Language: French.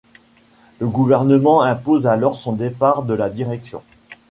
Le gouvernement impose alors son départ de la direction.